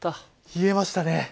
冷えましたね。